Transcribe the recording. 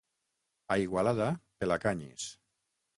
A Igualada, pelacanyes.